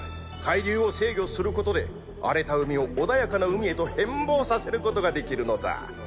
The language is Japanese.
海流を制御することで荒れた海を穏やかな海へと変貌させることができるのだ。